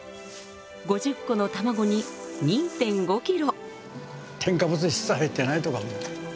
５０個の卵に２．５キロ。